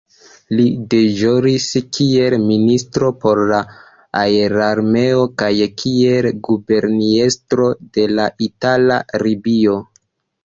Li deĵoris kiel ministro por la Aerarmeo kaj kiel guberniestro de Itala Libio.